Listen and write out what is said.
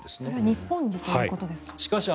それは日本にということですか。